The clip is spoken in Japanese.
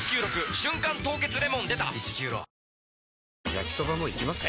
焼きソバもいきます？